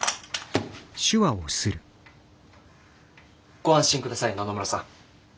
ご安心ください野々村さん。